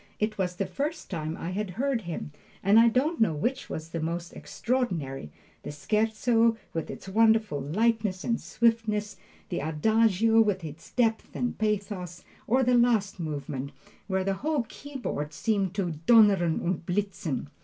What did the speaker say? It was the first time I had heard him, and I don't know which was the most extraordinary the Scherzo, with its wonderful lightness and swiftness, the Adagio with its depth and pathos, or the last movement, where the whole keyboard seemed to "donnern und blitzen."